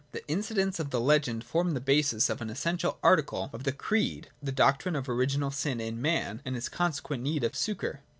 The incidents of the legend form the basis of an essential article of the creed, the doctrine of original sin in man and his consequent need of succour.